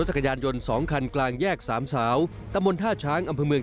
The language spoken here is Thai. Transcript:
จักรยานยนต์สองคันกลางแยกสามสาวตะมนต์ท่าช้างอำเภอเมือง